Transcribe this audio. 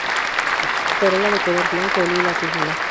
Corola de color blanco o lila, tubular.